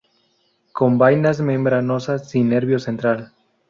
Con vainas membranosas sin nervio central.